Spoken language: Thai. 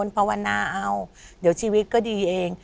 เพราะว่าน่าเอ้าเดี๋ยวชีวิตก็ดีเอง